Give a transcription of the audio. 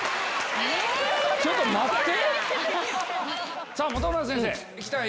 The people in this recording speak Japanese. ちょっと待って！